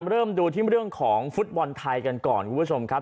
เริ่มดูที่เรื่องของฟุตบอลไทยกันก่อนคุณผู้ชมครับ